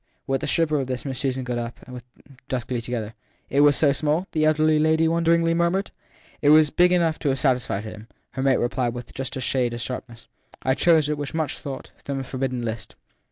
With the shiver of this Miss Susan got up, and they stood there duskily together. e It was so small ? the elder lady won deringly murmured. It was big enough to have satisfied him, her mate replied with just a shade of sharpness. I chose it, with much thought, from the forbidden list.